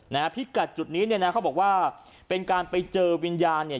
พิกัดจุดนี้เนี่ยนะเขาบอกว่าเป็นการไปเจอวิญญาณเนี่ย